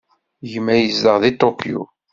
Gma yezdeɣ deg Tokyo.